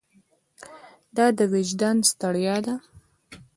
دا د وجدان ستړیا ده.